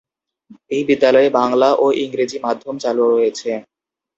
এই বিদ্যালয়ে বাংলা ও ইংরেজি মাধ্যম চালু রয়েছে।